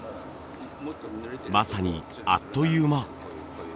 まさにあっという間。